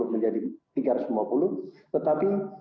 menjadi tiga ratus lima puluh tetapi